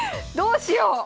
どうしよう！